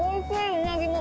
うなぎも。